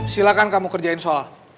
silahkan kamu kerjain soal